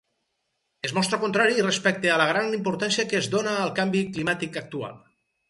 Es mostra contrari respecte a la gran importància que es dóna al canvi climàtic actual.